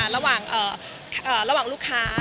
ระหว่างลูกค้า